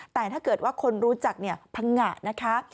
แต่ถ้าเกิดว่าคนรู้จักผงะนะคะ